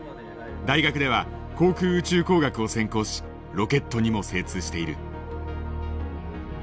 大学では航空宇宙工学を専攻しロケットにも精通している。